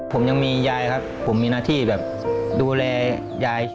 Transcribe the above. ผมยังมียายครับผมมีหน้าที่แบบดูแลยาย